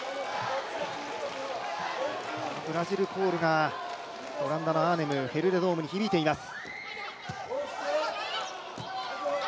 ブラジルコールがオランダのアーネム、ヘルレドームに響いています。